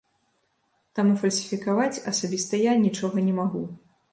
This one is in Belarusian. Таму фальсіфікаваць асабіста я нічога не магу.